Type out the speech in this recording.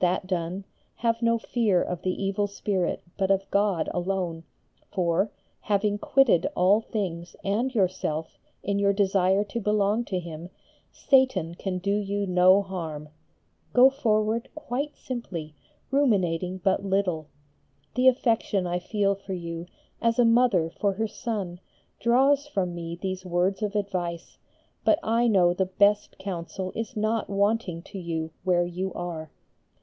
That done, have no fear of the evil spirit but of God alone, for, having quitted all things and yourself in your desire to belong to Him, Satan can do you no harm. Go forward quite simply, ruminating but little. The affection I feel for you, as a mother for her son, draws from me these words of advice, but I know the best counsel is not wanting to you where you are.